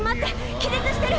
気絶してる！